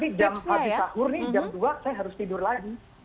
ini jam habis sahur nih jam dua saya harus tidur lagi